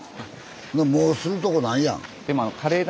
でももうするとこないやん。